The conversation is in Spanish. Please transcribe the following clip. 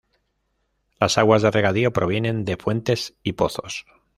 Las aguas de regadío provienen de fuentes y pozos.